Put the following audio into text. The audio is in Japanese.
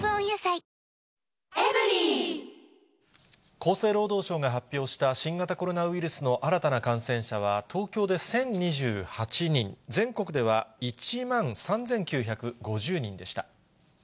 厚生労働省が発表した新型コロナウイルスの新たな感染者は、東京で１０２８人、全国では１万３９５０人でした。